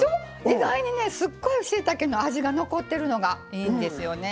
意外に、すごいしいたけの味が残ってるのがいいんですよね。